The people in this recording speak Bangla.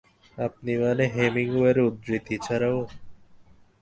আপনি মানে হেমিংওয়ের উদ্ধৃতি ছাড়াও?